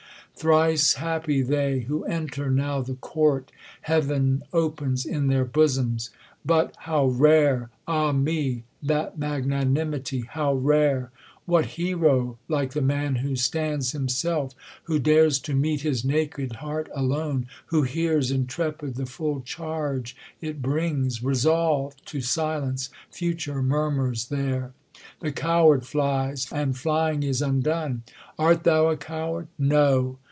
' Thrice happy they, who enter now the court Heav'n opens in their bosoms : but, how rare ! Ah me ! that magnanimity how rare ! What hero, like the man who stands himself; Who dares to meet his naked heart alone ; Who hears, intrepid, the full charge it brings, Resolv'd to silence future murmurs there ? The coward flies ; and flying is undone. (Art thou a coward ? No.)